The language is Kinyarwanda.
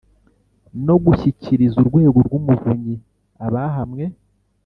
no gushyikiriza urwego rw'umuvunyi abahamwe